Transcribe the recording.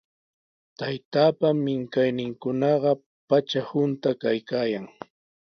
Taytaapa minkayninkunaqa patra hunta kaykaayan.